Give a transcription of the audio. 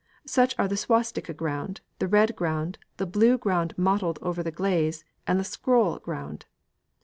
Such are the swastika ground, the red ground, the blue ground mottled over the glaze, and the scroll ground.